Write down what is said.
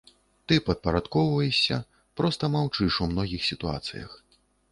Ты падпарадкоўваешся, проста маўчыш у многіх сітуацыях.